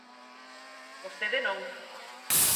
Vostede non.